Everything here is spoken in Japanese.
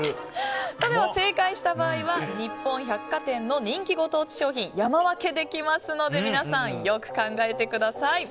正解した場合は日本百貨店の人気ご当地商品を山分けできますので皆さん、よく考えてください。